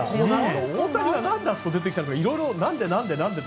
大谷が何であそこに出てきたのとかいろいろ何でって。